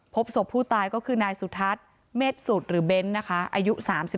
พบศพผู้ตายก็คือนายสุทัศน์เมฆสุดหรือเบ้นนะคะอายุ๓๒